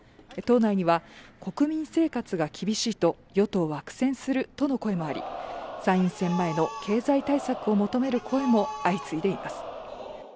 党内には国民生活が厳しいと与党は苦戦するとの声もあり、参院選前の経済対策を求める声も相次いでいます。